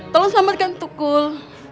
tolong selamatkan tukul